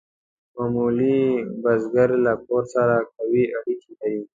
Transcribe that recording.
معمولي بزګر له کور سره قوي اړیکې لرلې.